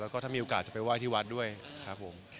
แล้วก็ถ้ามีโอกาสจะไปไหว้ที่วัดด้วยครับผม